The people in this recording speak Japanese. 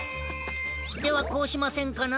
ではこうしませんかな？